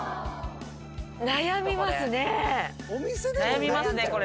悩みますね